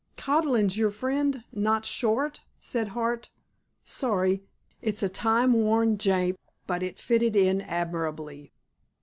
"Codlin's your friend, not Short," said Hart. "Sorry. It's a time worn jape, but it fitted in admirably."